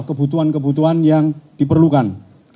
kebutuhan kebutuhan yang diperlukan